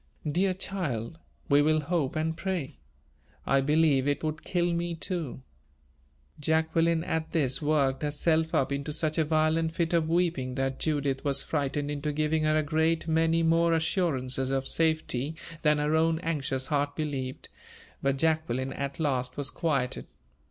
"Dear child, we will hope and pray. I believe it would kill me too." Jacqueline at this worked herself up into such a violent fit of weeping that Judith was frightened into giving her a great many more assurances of safety than her own anxious heart believed, but Jacqueline at last was quieted.